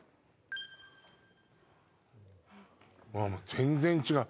全然違う。